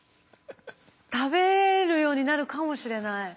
食べるようになるかもしれない。